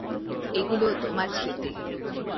ওগুলো তোমার স্মৃতি।